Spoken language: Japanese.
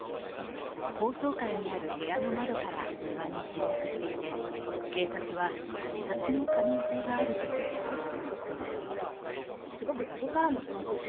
高層階にある部屋の窓から庭に転落していて、警察は自殺の可能性があるとみています。